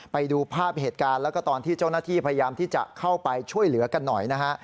ไปดูภาพเหตุการณ์แล้วก็ตอนที่เจ้าหน้าที่พยายามที่จะเข้าไปช่วยเหลือกันหน่อยนะฮะ